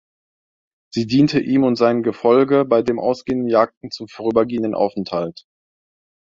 Sie diente ihm und seinem Gefolge bei den ausgedehnten Jagden zum vorübergehenden Aufenthalt.